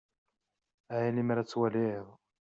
Ay a limer ad twaliḍ!